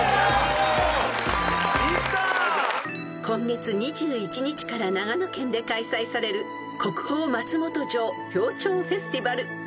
［今月２１日から長野県で開催される国宝松本城氷彫フェスティバル］